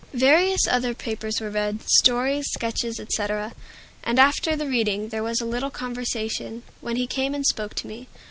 Various other papers were read, stories, sketches, etc., and after the reading there was a little conversation, when he came and spoke to me.